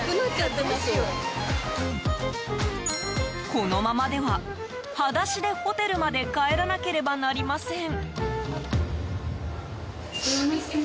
このままでは裸足でホテルまで帰らなければなりません。